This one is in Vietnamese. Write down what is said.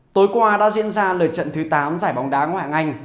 tối qua đã diễn ra lời trận thứ tám giải bóng đá ngoại ngành